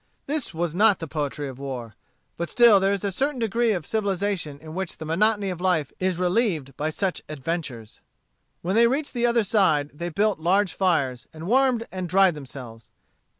This was not the poetry of war. But still there is a certain degree of civilization in which the monotony of life is relieved by such adventures. When they reached the other side they built large fires, and warmed and dried themselves.